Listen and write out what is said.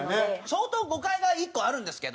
相当誤解が１個あるんですけど。